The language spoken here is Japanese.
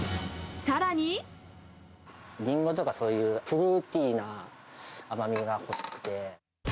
リンゴとか、そういうフルーティーな甘みが欲しくて。